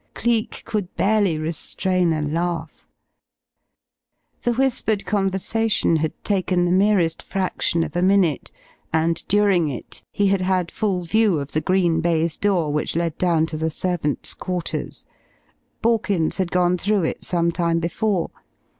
Cleek could barely restrain a laugh. The whispered conversation had taken the merest fraction of a minute and, during it, he had had full view of the green baize door which led down to the servants' quarters. Borkins had gone through it some time before.